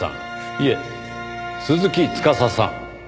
いえ鈴木司さん。